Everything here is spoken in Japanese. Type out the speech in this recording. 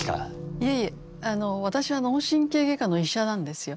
いえいえ私は脳神経外科の医者なんですよ。